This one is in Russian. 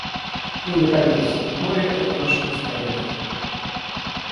И наконец, море — это наше достояние.